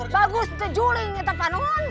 bagus jeling tetap pano